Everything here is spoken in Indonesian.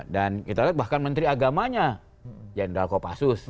dan kita lihat bahkan menteri agamanya jendral kopassus